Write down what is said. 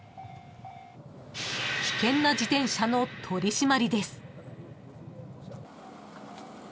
［危険な自転車の取り締まりです］